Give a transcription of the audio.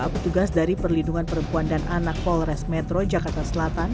petugas dari perlindungan perempuan dan anak polres metro jakarta selatan